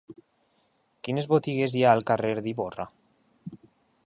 Quines botigues hi ha al carrer d'Ivorra?